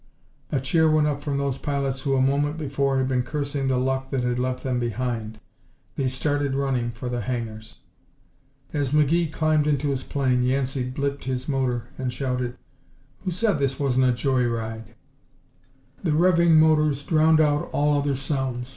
A cheer went up from those pilots who a moment before had been cursing the luck that had left them behind. They started running for the hangars. As McGee climbed into his plane, Yancey "blipped" his motor and shouted, "Who said this wasn't a joy ride?" The revving motors drowned out all other sounds.